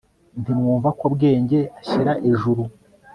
Ntimwumva ko Bwenge ashyira ejuru